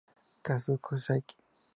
Kazuto Saiki